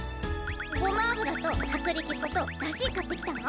ごま油と薄力粉とだし買ってきたの？